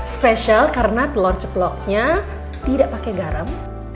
spesial karena telur ceploknya tidak pakai garam